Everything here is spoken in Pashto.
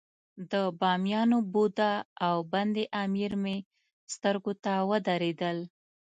د بامیانو بودا او بند امیر مې سترګو ته ودرېدل.